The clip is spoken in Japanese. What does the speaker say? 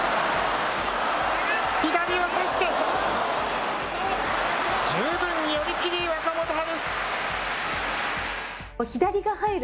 左を差して、十分に寄り切り、若元春。